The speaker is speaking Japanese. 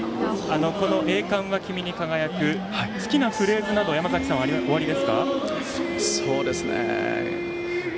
「栄冠は君に輝く」の好きなフレーズなど山崎さんは、おありですか？